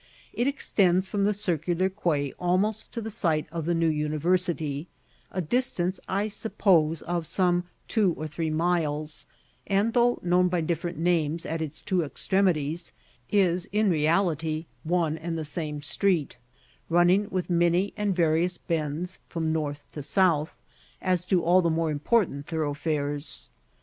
It extends from the Circular Quay almost to the site of the New University a distance, I suppose, of some two or three miles and though known by different names at its two extremities, is in reality one and the same street, running with many and various bends from north to south, as do all the more important thoroughfares.